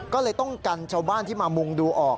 ก็เลยต้องกันชาวบ้านที่มามุงดูออก